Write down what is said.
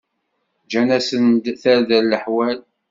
Ǧǧan-asen-d tarda n leḥwal.